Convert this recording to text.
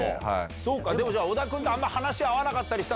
そうか、でも小田君って、あんまり話、合わなかったりした？